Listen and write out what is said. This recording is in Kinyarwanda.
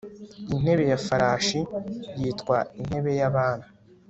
intebe ya farashi yitwa intebe yabami